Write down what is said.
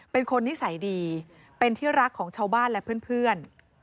เป็นคนนิสัยดีเป็นที่รักของชาวบ้านและเพื่อน